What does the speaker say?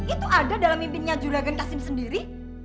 itu ada dalam mimpinya juragan kasim sendiri